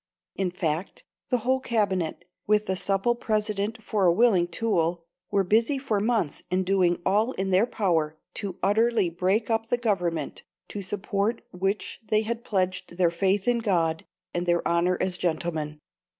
In fact, the whole Cabinet, with the supple President for a willing tool, were busy for months in doing all in their power to utterly break up the Government, to support which they had pledged their faith in God and their honour as gentlemen.